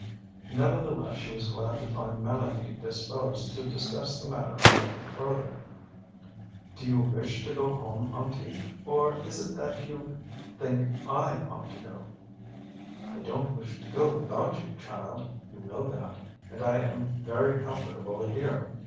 Nevertheless, she was glad to find Mélanie disposed to discuss the matter a little further. "Do you wish to go home, Auntie, or is it that you think I ought to go?" "I don't wish to go without you, child, you know that; and I am very comfortable here.